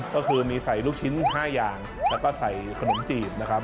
ก็คือมีใส่ลูกชิ้น๕อย่างแล้วก็ใส่ขนมจีบนะครับ